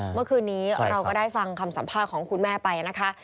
เมื่อคืนนี้เราก็ได้ฟังคำสัมภาษณ์ของคุณแม่ไปนะคะ